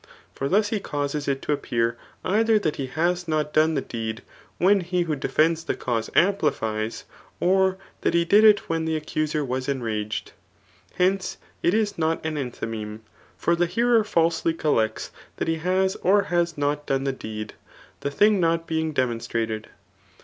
For thus he causes it to appear either that he has not done Hie deed, when he who defends the cause amplifies, or that he did it when the accuser was enraged. Henee, it is not an enthymeme. For the hearer felsely coUeois that he has or has not done die deed, the thing not beii^ demonstrated.